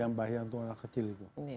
yang bahaya untuk anak kecil itu